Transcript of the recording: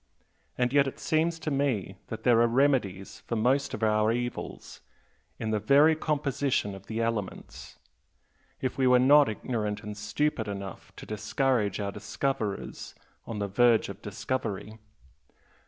And yet it seems to me that there are remedies for most of our evils in the very composition of the elements if we were not ignorant and stupid enough to discourage our discoverers on the verge of discovery.